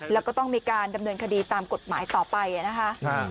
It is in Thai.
แล้วก็ต้องมีการดำเนินคดีตามกฎหมายต่อไปนะคะ